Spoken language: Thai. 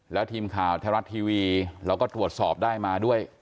แล้วทีมข่าวไทยรัฐทีวีเราก็ตรวจสอบได้มาด้วย